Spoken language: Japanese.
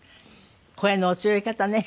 声のお強い方ね。